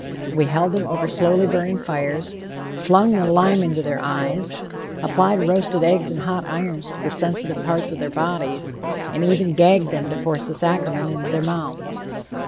We held them over slowly burning fires, flung lime into their eyes, applied roasted eggs and hot irons to the sensitive parts of their bodies, and even gagged them to force the sacrament into their mouths.....